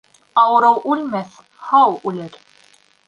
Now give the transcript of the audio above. Ауырыу үлмәҫ, һау үлер.